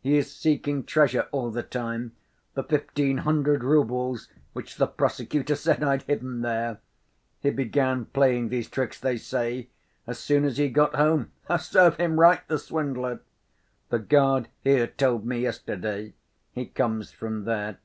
He is seeking treasure all the time—the fifteen hundred roubles which the prosecutor said I'd hidden there. He began playing these tricks, they say, as soon as he got home. Serve him right, the swindler! The guard here told me yesterday; he comes from there."